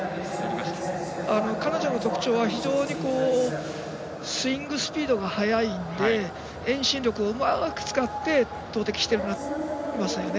彼女の特徴は非常にスイングスピードが速いので遠心力をうまく使って投てきしていますよね。